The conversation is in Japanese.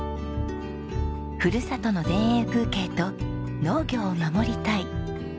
ふるさとの田園風景と農業を守りたい。